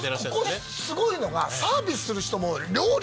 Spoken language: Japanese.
ここすごいのがサービスする人も。